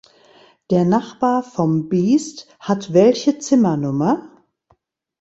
Der Nachbar vom Biest hat welche Zimmernummer?